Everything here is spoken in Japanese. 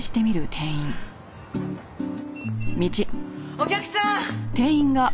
お客さん！